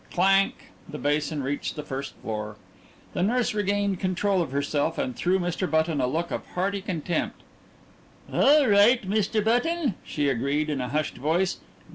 Clank! The basin reached the first floor. The nurse regained control of herself, and threw Mr. Button a look of hearty contempt. "All right, Mr. Button," she agreed in a hushed voice.